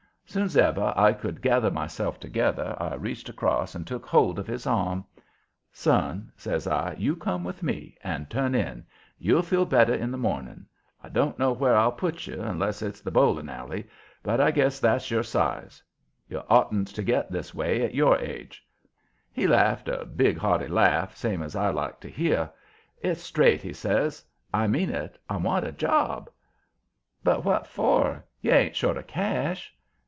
Soon's ever I could gather myself together I reached across and took hold of his arm. "Son," says I, "you come with me and turn in. You'll feel better in the morning. I don't know where I'll put you, unless it's the bowling alley, but I guess that's your size. You oughtn't to get this way at your age." He laughed a big, hearty laugh, same as I like to hear. "It's straight," he says. "I mean it. I want a job." "But what for? You ain't short of cash?"